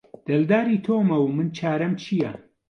دڵداری تۆمە و من چارەم چیە؟